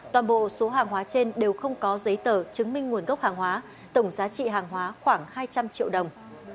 toàn bộ số hàng hóa trên đều không có giấy tờ chứng minh nguồn gốc hàng hóa tổng giá trị hàng hóa khoảng hai trăm linh triệu đồng